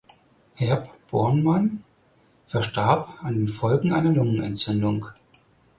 Herb Bormann verstarb an den Folgen einer Lungenentzündung.